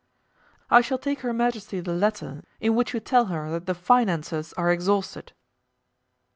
"I shall take her majesty the letter in which you tell her that the finances are exhausted."